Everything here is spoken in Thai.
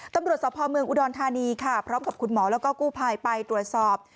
ตำรวจสภเมืองอุดรธานีค่ะพร้อมกับคุณหมอแล้วก็กู้ภัยไปตรวจสอบ